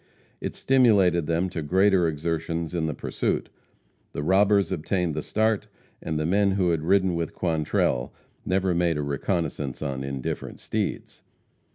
It stimulated them to greater exertions in the pursuit. The robbers obtained the start, and the men who had ridden with Quantrell never made a reconnoissance on indifferent steeds.